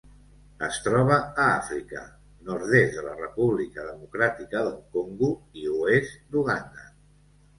Es troba a Àfrica: nord-est de la República Democràtica del Congo i oest d'Uganda.